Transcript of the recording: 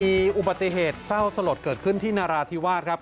มีอุบัติเหตุเศร้าสลดเกิดขึ้นที่นราธิวาสครับ